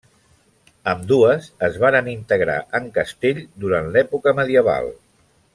Ambdues es varen integrar en castell durant l'època medieval.